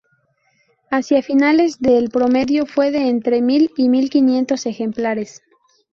Hacia finales del el promedio fue de entre mil y mil quinientos ejemplares.